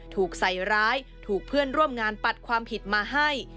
ถูกใส่ร้ายถูกเพื่อนร่วมงานปัดความผิดมาให้